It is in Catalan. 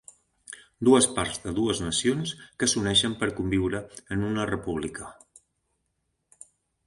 Dues parts de dues nacions que s’uneixen per conviure en una república